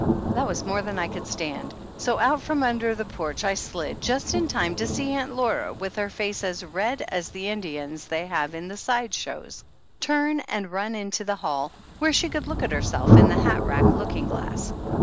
That was more than I could stand, so out from under the porch I slid, just in time to see Aunt Laura, with her face as red as the In dians they have in sideshows, turn and run into the hall where she could look at herself in the hat rack looking glass.